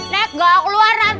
nek ga keluar nanti